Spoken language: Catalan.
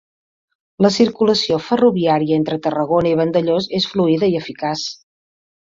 La circulació ferroviària entre Tarragona i Vandellòs és fluida i eficaç